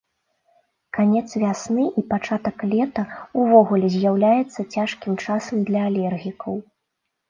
Канец вясны і пачатак лета ўвогуле з'яўляецца цяжкім часам для алергікаў.